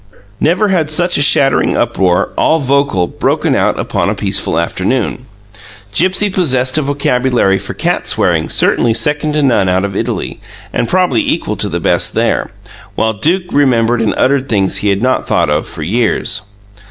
Never had such a shattering uproar, all vocal, broken out upon a peaceful afternoon. Gipsy possessed a vocabulary for cat swearing certainly second to none out of Italy, and probably equal to the best there, while Duke remembered and uttered things he had not thought of for years.